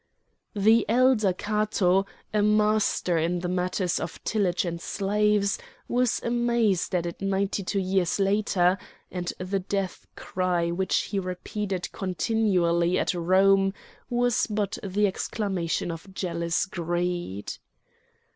The elder Cato, a master in the matters of tillage and slaves, was amazed at it ninety two years later, and the death cry which he repeated continually at Rome was but the exclamation of jealous greed.